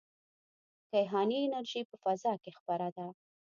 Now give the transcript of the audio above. کیهاني انرژي په فضا کې خپره ده.